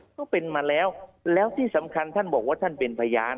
ก็เป็นมาแล้วแล้วที่สำคัญท่านบอกว่าท่านเป็นพยาน